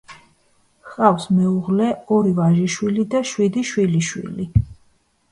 ჰყავს მეუღლე, ორი ვაჟიშვილი და შვიდი შვილიშვილი.